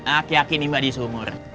aku yakin ini mbak di seumur